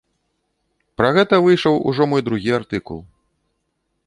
Пра гэта выйшаў ужо мой другі артыкул.